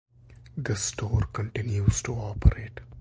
This store continues to operate.